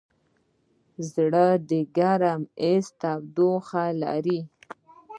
زړه د ګرم حس تودوخه لري.